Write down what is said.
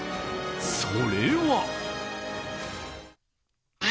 それは。